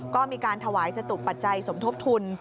ก็มีการถวายจตุปัจจัยสมทบทุน